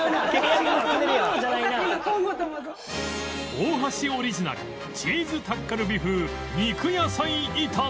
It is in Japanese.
大橋オリジナルチーズタッカルビ風肉野菜炒め